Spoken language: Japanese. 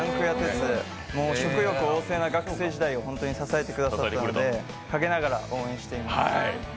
食欲旺盛な学生時代を本当に支えてもらったので、影ながら応援しています。